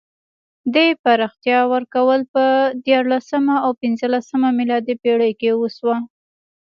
دې پراختیا ورکول په دیارلسمه او پنځلسمه میلادي پېړۍ کې وشوه.